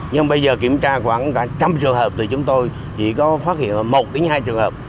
nhưng bây giờ kiểm tra khoảng cả trăm trường hợp thì chúng tôi chỉ có phát hiện một đến hai trường hợp